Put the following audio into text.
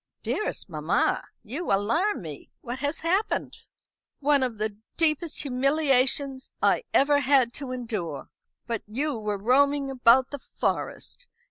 "Dearest mamma, you alarm me. What has happened?" "One of the deepest humiliations I ever had to endure. But you were roaming about the Forest.